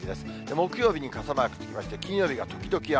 木曜日に傘マークつきまして、金曜日が時々雨。